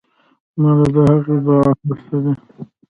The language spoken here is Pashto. ما له د هغې دعا هر سه دي.